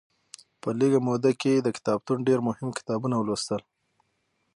په لږه موده کې یې د کتابتون ډېر مهم کتابونه ولوستل.